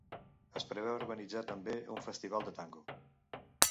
Es preveu organitzar també un festival de tango.